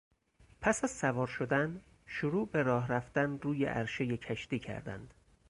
پس از سوار شدن، شروع به راه رفتن روی عرشهی کشتی کردند.